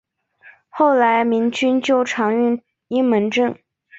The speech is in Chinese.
后来民军就常用阴门阵。